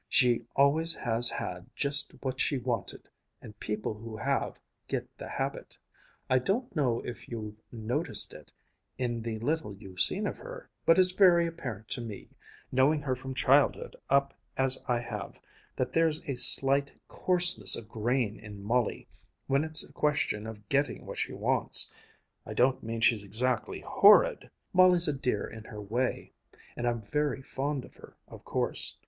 She always has had just what she wanted and people who have, get the habit. I don't know if you've noticed it, in the little you've seen of her, but it's very apparent to me, knowing her from childhood up as I have, that there's a slight coarseness of grain in Molly, when it's a question of getting what she wants. I don't mean she's exactly horrid. Molly's a dear in her way, and I'm very fond of her, of course.